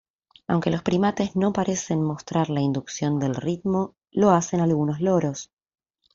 Aunque los primates no parecen mostrar la inducción del ritmo, lo hacen algunos loros.